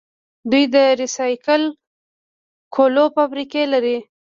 دوی د ریسایکل کولو فابریکې لري.